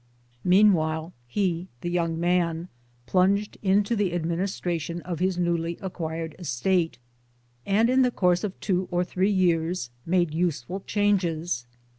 Meanwhile he, the young man, plunged into the TRANSLATIONS AND. TRANSLATORS 271 administration of his newly acquired estate, and in the course of two or three years made useful changes.